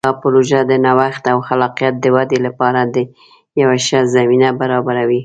دا پروژه د نوښت او خلاقیت د ودې لپاره یوه ښه زمینه برابروي.